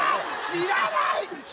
知らない！